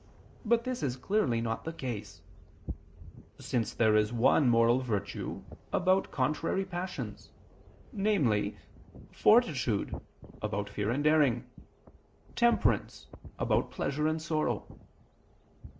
But this clearly is not the case: since there is one moral virtue about contrary passions; namely, fortitude, about fear and daring; temperance, about pleasure and sorrow.